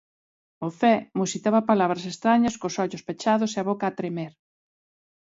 O Zé musitaba palabras estrañas cos ollos pechados e a boca a tremer.